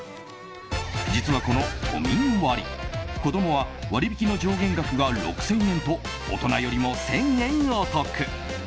実はこの都民割子供は割引の上限額が６０００円と大人よりも１０００円お得。